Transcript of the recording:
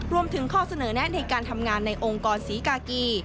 รวมถึงข้อเสนอแนะในการทำงานในองค์กรศรีกากี